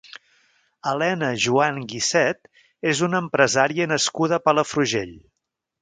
Elena Joan Guisset és una empresària nascuda a Palafrugell.